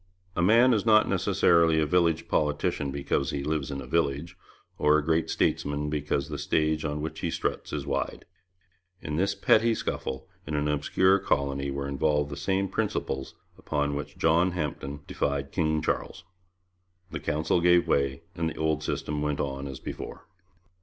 A man is not necessarily a village politician because he lives in a village, or a great statesman because the stage on which he struts is wide. In this petty scuffle in an obscure colony were involved the same principles on which John Hampden defied King Charles. The Council gave way, and the old system went on as before.